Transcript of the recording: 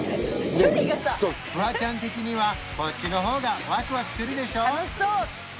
距離がさフワちゃん的にはこっちの方がワクワクするでしょ？